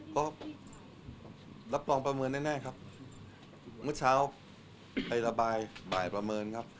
ก็รับปลอมประเมินแน่แน่ครับมุดเช้าใครระบายบ่ายประเมินครับ